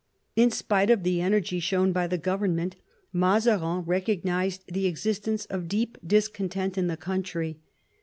In spite of the energy shown by the government, Mazarin recognised the exist ence of deep discontent in the country.